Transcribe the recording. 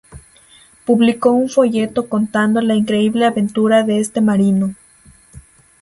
Publicó un folleto contando la increíble aventura de este marino.